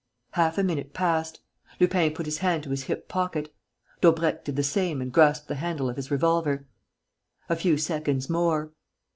Half a minute passed. Lupin put his hand to his hip pocket. Daubrecq did the same and grasped the handle of his revolver. A few seconds more.